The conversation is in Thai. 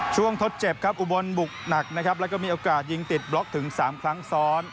ทดเจ็บครับอุบลบุกหนักนะครับแล้วก็มีโอกาสยิงติดบล็อกถึง๓ครั้งซ้อน